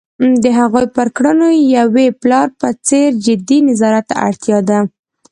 د هغوی پر کړنو یوې پلار په څېر جدي نظارت ته اړتیا ده.